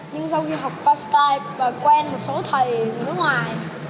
nhưng sau khi học qua skype và quen một số thầy người nước ngoài